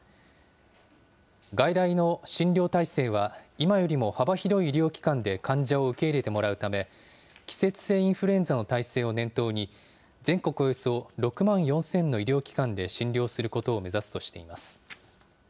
外来の診療体制は、今よりも幅広い医療機関で患者を受け入れてもらうため、季節性インフルエンザの体制を念頭に、全国およそ６万４０００の医療機関で診療することを目指すとしています。